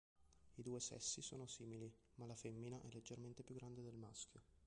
I due sessi sono simili, ma la femmina è leggermente più grande del maschio.